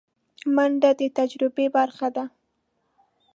منډه د تجربې برخه ده